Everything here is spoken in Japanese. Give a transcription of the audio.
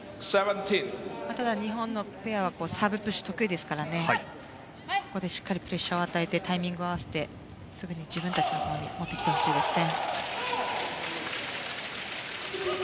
ただ、日本ペアはサーブプッシュ得意ですからここでしっかりプレッシャーを与えてタイミング合わせてすぐに自分たちの流れに持ってきてほしいですね。